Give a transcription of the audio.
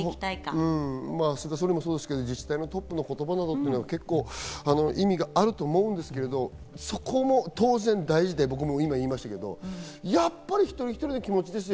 菅総理もそうですけど、自治体のトップの言葉というのも意味があると思うんですけど、そこも当然大事で僕も今、言いましたけど、やっぱり一人一人の気持ちですよ。